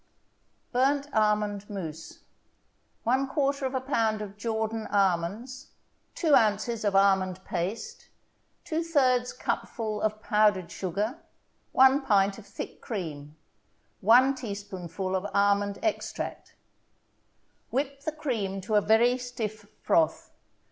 BURNT ALMOND MOUSSE 1/4 pound of Jordan almonds 2 ounces of almond paste 2/3 cupful of powdered sugar 1 pint of thick cream 1 teaspoonful of almond extract Whip the cream to a very stiff froth.